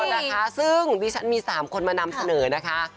โอ้โหนะคะซึ่งมี๓คนมานำเสนอนะคะ